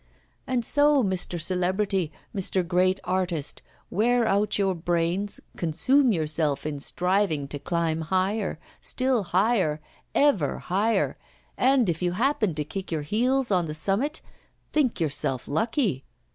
And so, Mr. Celebrity, Mr. Great Artist, wear out your brains, consume yourself in striving to climb higher, still higher, ever higher, and if you happen to kick your heels on the summit, think yourself lucky!